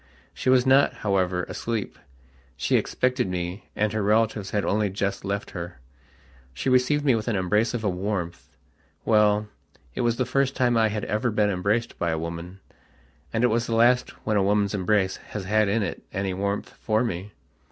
She was not, however, asleep. She expected me, and her relatives had only just left her. She received me with an embrace of a warmth.... Well, it was the first time I had ever been embraced by a womanand it was the last when a woman's embrace has had in it any warmth for me....